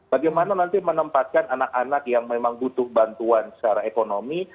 bagaimana nanti menempatkan anak anak yang memang butuh bantuan secara ekonomi